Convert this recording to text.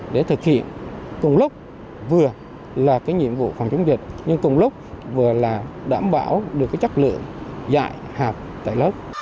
để thực hiện cùng lúc vừa là cái nhiệm vụ phòng chống dịch nhưng cùng lúc vừa là đảm bảo được cái chất lượng dạy học tại lớp